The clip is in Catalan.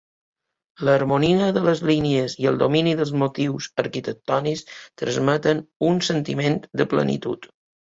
L'harmonia de les línies i el domini dels motius arquitectònics transmeten un sentiment de plenitud.